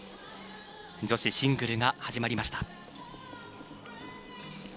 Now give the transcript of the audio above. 女子シングルが始まりました。